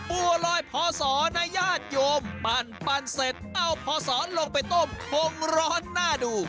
บัวลอยพอสอนะญาติโยมปั้นเสร็จเอาพอสอนลงไปต้มคงร้อนน่าดู